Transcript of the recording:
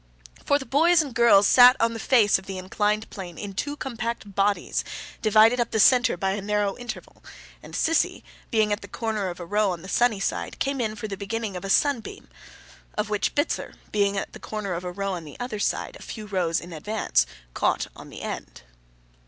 For, the boys and girls sat on the face of the inclined plane in two compact bodies, divided up the centre by a narrow interval; and Sissy, being at the corner of a row on the sunny side, came in for the beginning of a sunbeam, of which Bitzer, being at the corner of a row on the other side, a few rows in advance, caught the end.